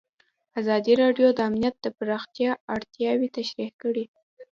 ازادي راډیو د امنیت د پراختیا اړتیاوې تشریح کړي.